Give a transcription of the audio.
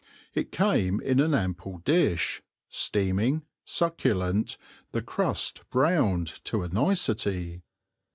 It came in an ample dish, steaming, succulent, the crust browned to a nicety.